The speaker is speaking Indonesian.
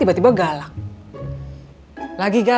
tapi kok puas aibu